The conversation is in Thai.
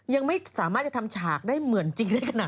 ยังไม่สามารถจะทำฉากได้เหมือนจริงได้ขนาด